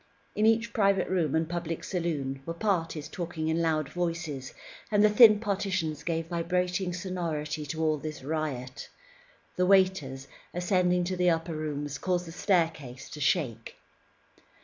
In each private room and public saloon, were parties talking in loud voices, and the thin partitions gave vibrating sonority to all this riot. The waiters, ascending to the upper rooms, caused the staircase to shake.